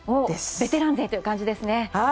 ベテラン勢という感じですね。